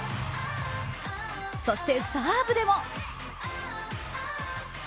そして、サーブでも。